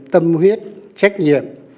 tâm huyết trách nhiệm